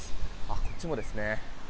こっちもですね。